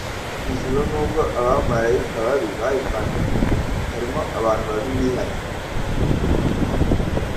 ijuru nubwo abamarayika babi barivanywemo harimo abantu babi bihannye